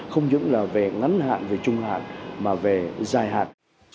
không những là về ngắn hạn về trung hạn mà về dài hạn